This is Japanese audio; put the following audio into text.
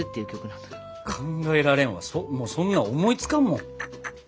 考えられんわそんなん思いつかんもん。